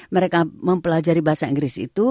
mereka mempelajari bahasa inggris itu